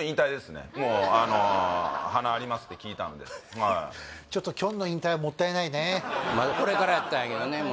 あのー「鼻あります？」って聞いたのでちょっときょんの引退はもったいないねまだこれからやったんやけどね